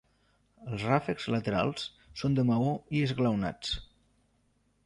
Els ràfecs laterals són de maó i esglaonats.